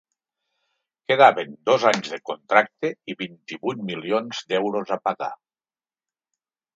Quedaven dos anys de contracte i vint-i-vuit milions d’euros a pagar.